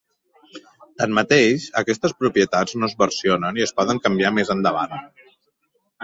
Tanmateix, aquestes propietats no es versionen i es poden canviar més endavant.